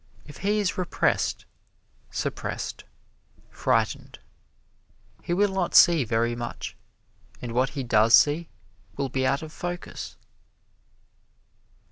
If he is repressed, suppressed, frightened, he will not see very much, and what he does see will be out of focus.